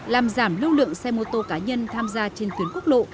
làm giảm lưu lượng xe mô tô cá nhân tham gia trên tuyến quốc lộ